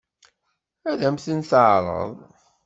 Ad m-ten-teɛṛeḍ?